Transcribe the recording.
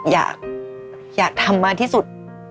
อยากอยากทำมาที่สุด